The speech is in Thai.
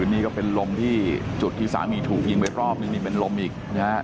นี่ก็เป็นลมที่จุดที่สามีถูกยิงไปรอบนึงนี่เป็นลมอีกนะฮะ